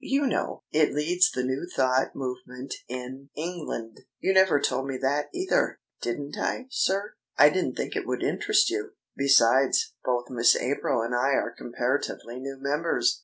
You know, it leads the New Thought movement in England." "You never told me that either." "Didn't I, sir? I didn't think it would interest you. Besides, both Miss April and I are comparatively new members."